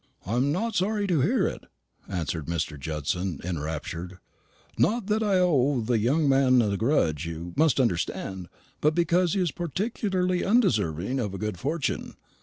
"I am not sorry to hear it," answered Mr. Judson, enraptured; "not that I owe the young man a grudge, you must understand, but because he is particularly undeserving of good fortune.